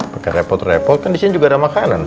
pake repot repot kan disini juga ada makanan